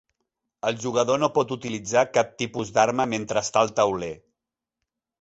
El jugador no pot utilitzar cap tipus d'arma mentre està al tauler.